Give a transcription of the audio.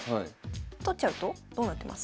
取っちゃうとどうなってます？